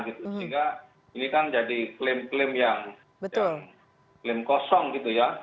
sehingga ini kan jadi klaim klaim yang klaim kosong gitu ya